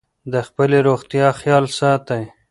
د خپلې روغتیا خیال ساتئ.